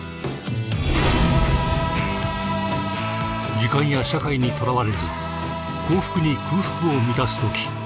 時間や社会にとらわれず幸福に空腹を満たすとき